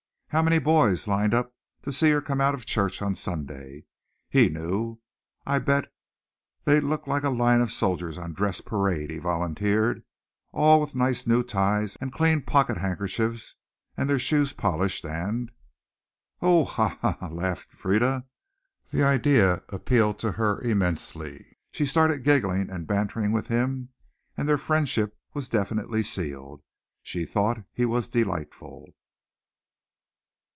How many boys lined up to see her come out of church on Sunday? He knew. "I'll bet they look like a line of soldiers on dress parade," he volunteered, "all with nice new ties and clean pocket handkerchiefs and their shoes polished and " "Oh, ha! ha!" laughed Frieda. The idea appealed to her immensely. She started giggling and bantering with him and their friendship was definitely sealed. She thought he was delightful.